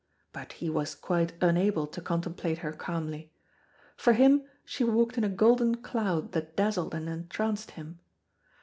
But he was quite unable to contemplate her calmly. For him she walked in a golden cloud that dazzled and entranced him.